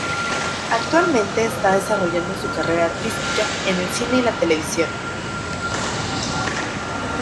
Actualmente está desarrollando su carrera artística en el cine y la televisión.